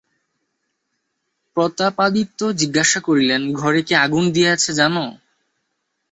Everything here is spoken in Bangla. প্রতাপাদিত্য জিজ্ঞাসা করিলেন, ঘরে কে আগুন দিয়াছে জান?